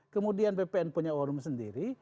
kemudian bpn punya war room sendiri